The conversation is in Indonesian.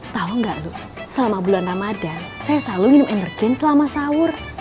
tau gak lo selama bulan ramadhan saya selalu minum energen selama sahur